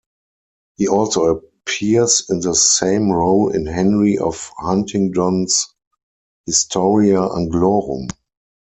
He also appears in the same role in Henry of Huntingdon's "Historia Anglorum".